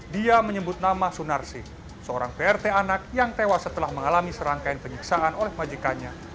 dia menyebut nama sunarsi seorang prt anak yang tewas setelah mengalami serangkaian penyiksaan oleh majikanya